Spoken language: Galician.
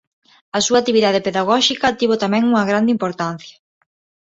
A súa actividade pedagóxica tivo tamén unha grande importancia.